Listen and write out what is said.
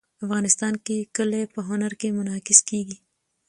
افغانستان کې کلي په هنر کې منعکس کېږي.